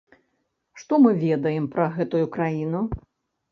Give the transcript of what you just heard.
Што мы ведаем пра гэтую краіну?